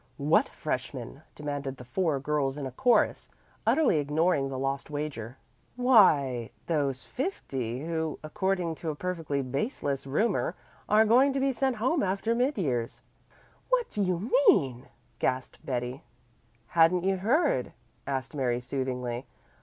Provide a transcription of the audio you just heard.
"What freshmen?" demanded the four girls in a chorus, utterly ignoring the lost wager. "Why, those fifty who, according to a perfectly baseless rumor, are going to be sent home after mid years." "What do you mean?" gasped Betty. "Hadn't you heard?" asked Mary soothingly.